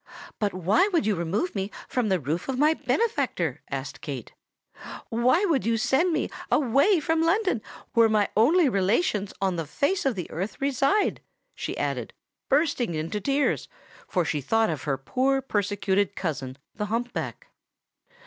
"But why would you remove me from the roof of my benefactor?" asked Kate: "why would you send me away from London, where my only relations on the face of the earth reside?" she added, bursting into tears; for she thought of her poor persecuted cousin the hump back.